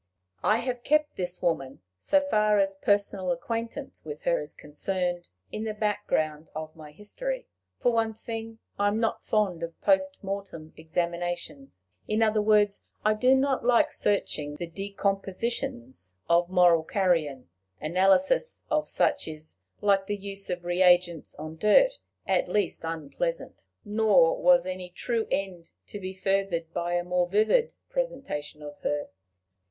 I have kept this woman so far as personal acquaintance with her is concerned in the background of my history. For one thing, I am not fond of post mortem examinations; in other words, I do not like searching the decompositions of moral carrion. Analysis of such is, like the use of reagents on dirt, at least unpleasant. Nor was any true end to be furthered by a more vivid presentation of her.